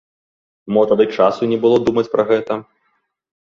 Мо тады часу не было думаць пра гэта?